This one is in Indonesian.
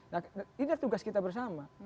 nah ini tugas kita bersama